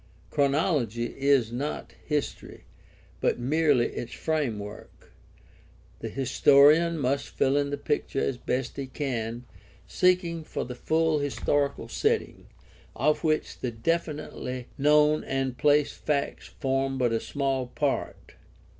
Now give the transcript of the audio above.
Chronology is not history, but merely its framework. The historian must fill in the picture as best he can, seeking for the full historical setting, of which the definitely known and placed facts form but a small part.